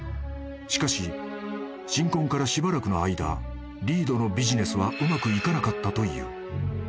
しかし新婚からしばらくの間リードのビジネスはうまくいかなかったという］